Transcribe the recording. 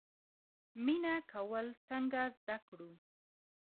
مینه کول څنګه زده کړو؟